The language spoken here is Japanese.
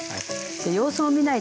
様子を見ないと。